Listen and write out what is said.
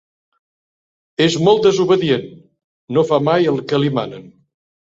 És molt desobedient: no fa mai el que li manen.